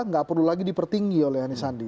nggak perlu lagi dipertinggi oleh anisandi